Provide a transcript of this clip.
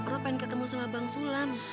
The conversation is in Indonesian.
roh pengen ketemu sama bang sulam